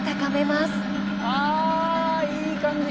あいい感じ！